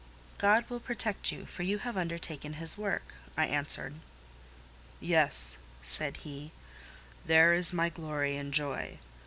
"God will protect you; for you have undertaken His work," I answered. "Yes," said he, "there is my glory and joy.